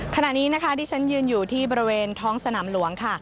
ขณะนี้นะคะที่ฉันยืนอยู่ที่บริเวณท้องสนามหลวงค่ะ